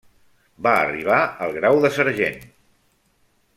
Va arribar al grau de sergent.